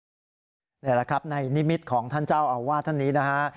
นี่แหละครับในนิมิตของท่านเจ้าอาวาสท่านนี้นะฮะ